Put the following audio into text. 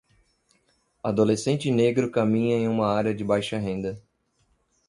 Adolescente negro caminha em uma área de baixa renda.